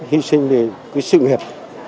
hy sinh vì sự nghiệp